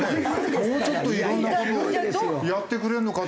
もうちょっといろんな事をやってくれるのかと思ったら。